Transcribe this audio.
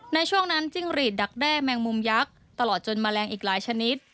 ในช่วงนั้นจิ้งหรีดดักแด้แมงมุมยักษ์ตลอดจนแมลงอีกหลายชนิด